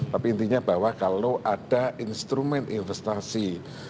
tapi intinya bahwa kalau ada instrumen investasi